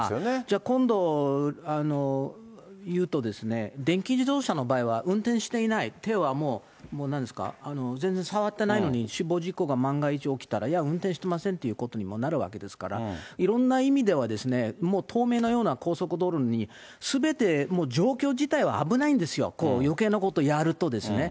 今度言うと、電気自動車の場合は運転していない、手はもう、なんですか、もう全然触ってないのに死亡事故が万が一起きたら、いや、運転してませんってことにもなるわけですから、いろんな意味では、もう東名のような高速道路にすべてもう状況自体は危ないんですよ、よけいなことやるとですね。